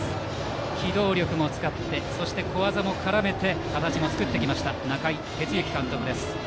機動力も使い、小技も絡めて形を作ってきた中井哲之監督です。